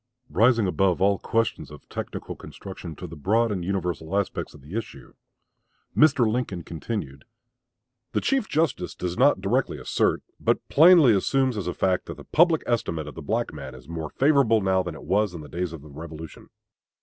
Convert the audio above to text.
Rising above all questions of technical construction to the broad and universal aspects of the issue, Mr. Lincoln continued: The Chief Justice does not directly assert, but plainly assumes as a fact, that the public estimate of the black man is more favorable now than it was in the days of the Revolution.